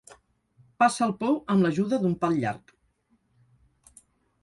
Passa el pou amb l'ajuda d'un pal llarg.